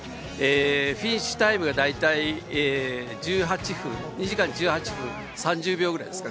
フィニッシュタイムが大体２時間１８分３０秒ぐらいです。